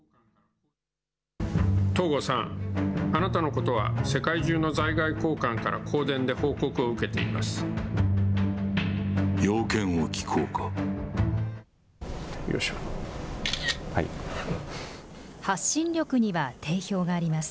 東郷さん、あなたのことは世界中の在外公館から公電で報告を受けています。